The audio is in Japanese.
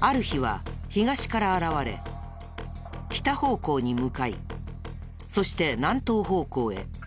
ある日は東から現れ北方向に向かいそして南東方向へ。